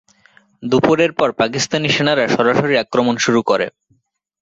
দুপুরের পর পাকিস্তানি সেনারা সরাসরি আক্রমণ শুরু করে।